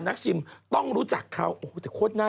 จากกระแสของละครกรุเปสันนิวาสนะฮะ